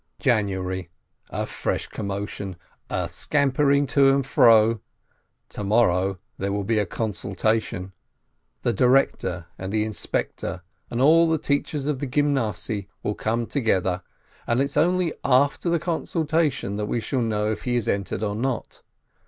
January — a fresh commotion, a scampering to and fro. To morrow there will be a consultation. The director and the inspector and all the teachers of the Gymnasiye will come together, and it's only after the consultation that we shall know if he is entered or not.